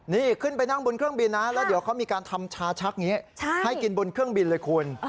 นี่ขึ้นไปนั่งบนเครื่องบินนะแล้วเดี๋ยวเขามีการทำชาชักอย่างนี้ให้กินบนเครื่องบินเลยคุณ